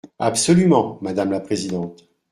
Absolument, madame la présidente.